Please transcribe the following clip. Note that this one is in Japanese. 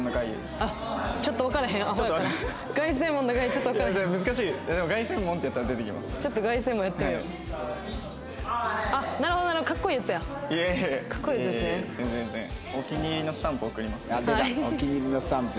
あっ出たお気に入りのスタンプ。